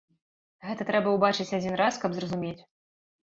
Гэта трэба ўбачыць адзін раз, каб зразумець.